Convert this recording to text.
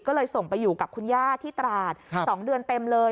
ก็เลยส่งไปอยู่กับคุณย่าที่ตราด๒เดือนเต็มเลย